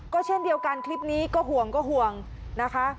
ก็เช่นเดียวกันคลิปนี้ก็ห่วงก็ห่วงนะคะ